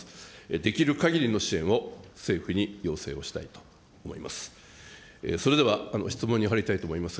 できるかぎりの支援を政府に要請をしたいと思います。